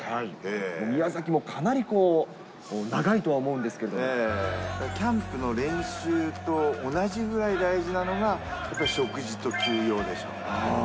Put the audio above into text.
宮崎もかなり長いとは思うんキャンプの練習と同じぐらい大事なのが、やっぱり食事と休養でしょうね。